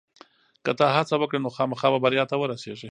که ته هڅه وکړې نو خامخا به بریا ته ورسېږې.